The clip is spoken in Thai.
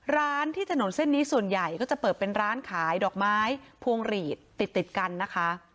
ร้านที่ถนนเส้นนี้ส่วนใหญ่ก็จะเปิดเป็นร้านขายดอกไม้พวงหลีดติดติดกันนะคะ